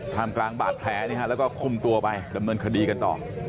ทำกลางบาดแผลแล้วก็คุมตัวไปดำเนินคดีกันต่อ